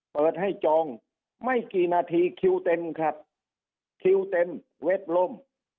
เปิดให้จองไม่กี่นาทีคิวเต็มครับคิวเต็มเว็บล่ม